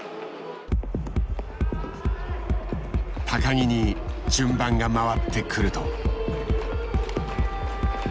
木に順番が回ってくると。